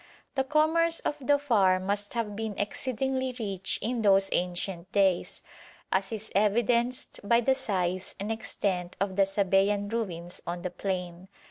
The commerce of Dhofar must have been exceedingly rich in those ancient days, as is evidenced by the size and extent of the Sabæan ruins on the plain.